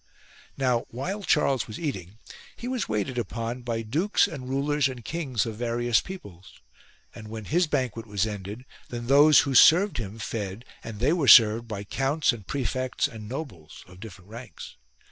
Now while Charles was eating he was waited upon by dukes and rulers and kings of various peoples ; and when his banquet was ended then those who served him fed and they were served by counts and praefects and nobles of different ranks.